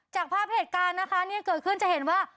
จากภาพเหตุการณ์นะคะเนี่ยเกิดขึ้นจะเห็นว่า